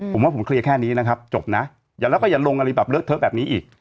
ผมว่าผมเคลียร์แค่นี้นะครับจบนะอย่าแล้วก็อย่าลงอะไรแบบเลอะเทอะแบบนี้อีก